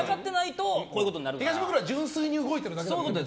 東ブクロは純粋に動いてるだけだからね。